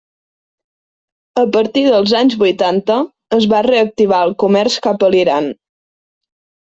A partir dels anys vuitanta, es va reactivar el comerç cap a l'Iran.